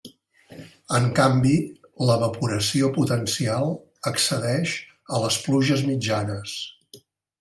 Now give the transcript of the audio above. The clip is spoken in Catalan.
En canvi l'evaporació potencial excedeix a les pluges mitjanes.